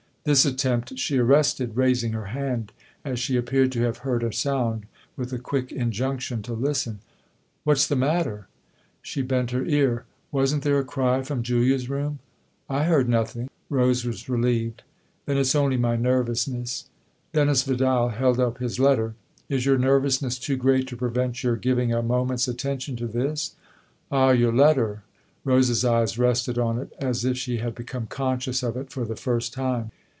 This attempt she arrested, raising her hand, as she appeared to have heard a sound, with a quick injunction to listen. " What's the matter ?"" She bent her ear. " Wasn't there a cry from Julia's room ?"" I heard nothing." Rose was relieved. " Then it's only my nervous ness." Dennis Vidal held up his letter. " Is your nervousness too great to prevent your giving a moment's attention to this ?"" Ah, your letter !" Rose's eyes rested on it as if she had become conscious of it for the first time.